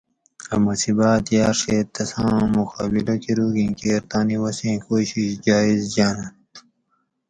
اۤ مصیبٰت یاڛیت تساں مقابلہ کروگیں کیر تانی وسیں کوشش جایٔز جاۤننت